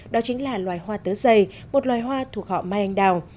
đó chính là loài hoa tớ dày một loài hoa thuộc họ mai anh đào